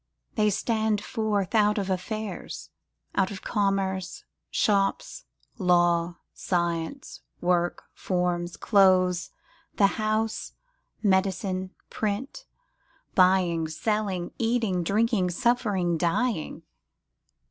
They stand forth out of affairs, out of commerce, shops, work, farms, clothes, the house, buying, selling, eating, drinking, suffering, dying.